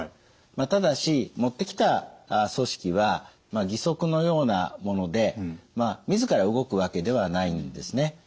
ただし持ってきた組織は義足のようなもので自ら動くわけではないんですね。